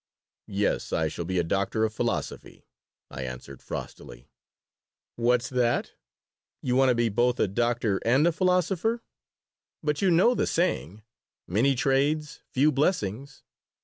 "Yes, I shall be a doctor of philosophy," I answered, frostily "What's that? You want to be both a doctor and a philosopher? But you know the saying, 'Many trades few blessings.'"